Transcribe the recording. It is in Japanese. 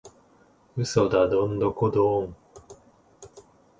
嘘だドンドコドーン！